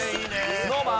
ＳｎｏｗＭａｎ